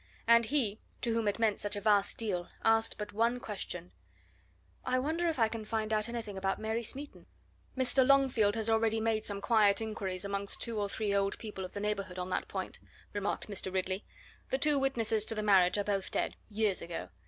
And he, to whom it meant such a vast deal, asked but one question: "I wonder if I can find out anything about Mary Smeaton!" "Mr. Longfield has already made some quiet inquiries amongst two or three old people of the neighbourhood on that point," remarked Mr. Ridley. "The two witnesses to the marriage are both dead years ago.